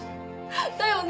だよね？